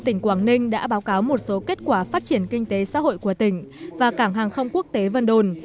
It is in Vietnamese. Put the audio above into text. tỉnh quảng ninh đã báo cáo một số kết quả phát triển kinh tế xã hội của tỉnh và cảng hàng không quốc tế vân đồn